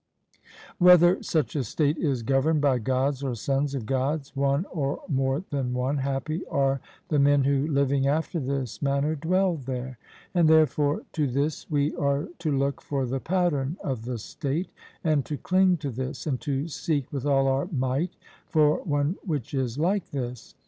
Whether such a state is governed by Gods or sons of Gods, one, or more than one, happy are the men who, living after this manner, dwell there; and therefore to this we are to look for the pattern of the state, and to cling to this, and to seek with all our might for one which is like this.